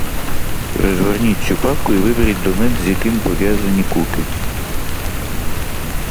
Розгорніть цю папку і виберіть домен, з яким пов'язані куки.